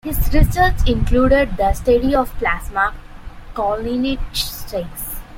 His research included the study of plasma cholinesterase.